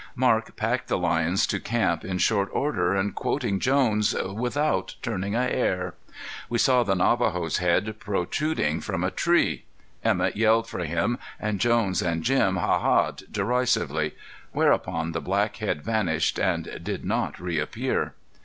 Marc packed the lions to camp in short order, and, quoting Jones, "without turning a hair." We saw the Navajo's head protruding from a tree. Emett yelled for him, and Jones and Jim "hahaed" derisively; whereupon the black head vanished and did not reappear.